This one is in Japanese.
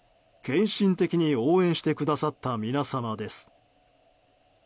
献身的に応援してくださった皆様です。